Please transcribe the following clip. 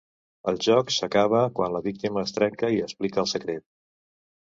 El joc s'acaba quan la víctima es trenca i explica el secret.